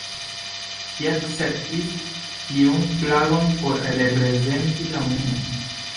Ŝi akceptis tiun flagon por reprezenti la union.